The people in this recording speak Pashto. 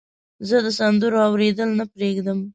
زه د سندرو اوریدل نه پرېږدم.